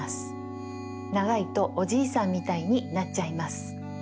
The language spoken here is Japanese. ながいとおじいさんみたいになっちゃいます。